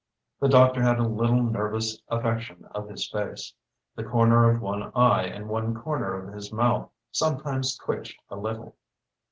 The doctor had a little nervous affection of his face. The corner of one eye and one corner of his mouth sometimes twitched a little.